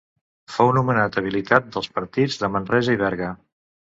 Fou nomenat Habilitat dels partits de Manresa i Berga.